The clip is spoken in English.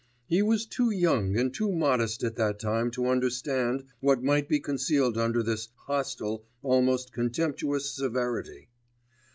He was too young and too modest at that time to understand what might be concealed under this hostile, almost contemptuous severity.